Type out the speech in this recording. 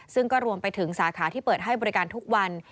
ซึ่งก็รวมไปถึงสาขาที่เปิดให้บริการทุกวัน